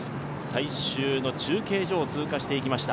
最終の中継所を通過していきました。